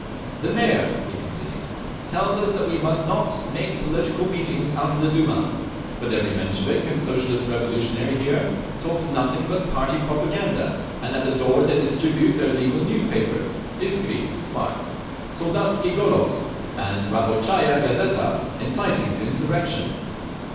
"The Mayor," he continued, "tells us that we must not make political meetings out of the Duma. But every Menshevik and Socialist Revolutionary here talks nothing but party propaganda, and at the door they distribute their illegal newspapers, Iskri (Sparks), Soldatski Golos and Rabotchaya Gazeta, inciting to insurrection.